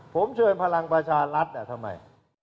ผมเชิญพลังประชารัฐทำไม